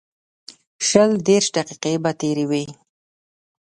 شل دېرش دقیقې به تېرې وې.